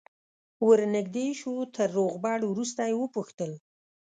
ور نژدې شو تر روغبړ وروسته یې وپوښتل.